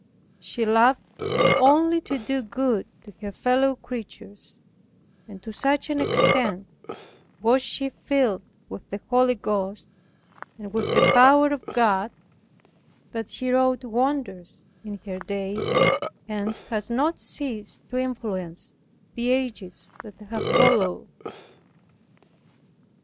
She loved only to do good to her fellow creatures, and to such an extent was she filled with the Holy Ghost, and with the power of God, that she wrought wonders in her day, and has not ceased to influence the ages that have followed.